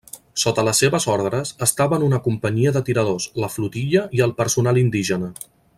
Sota les seves ordres estaven una companyia de tiradors, la flotilla i el personal indígena.